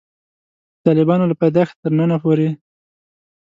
د طالبانو له پیدایښته تر ننه پورې.